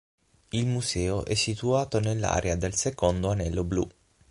Il museo è situato nell'area del secondo anello blu.